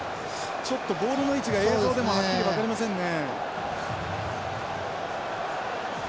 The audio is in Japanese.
ちょっとボールの位置が映像でもはっきり分かりませんね。